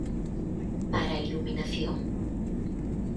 Para a iluminación?